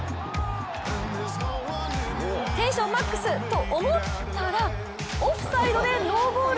テンションマックスと思ったらオフサイドでノーゴール。